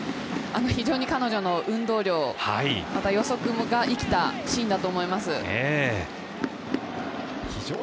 彼女の運動量、予測が生きたシーンだったと思います。